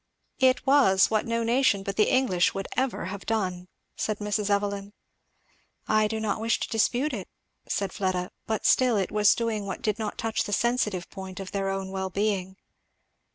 "It was what no nation but the English would ever have done," said Mrs. Evelyn. "I do not wish to dispute it," said Fleda; "but still it was doing what did not touch the sensitive point of their own well being."